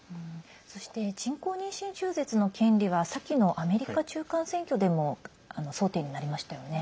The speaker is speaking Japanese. そして人工妊娠中絶の権利は先のアメリカ中間選挙でも争点になりましたよね。